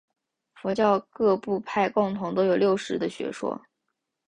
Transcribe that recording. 佛教各部派共同都有六识的学说。